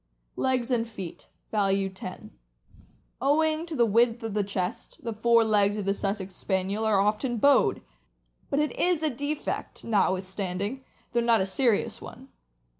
Legs and feet (value 10). — Owing to the width of chest, the fore legs of the Sussex Spaniel are often bowed; but it is a defect, notwithstanding, though not a serious one.